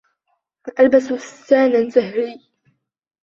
ألبس فستاناً زهري.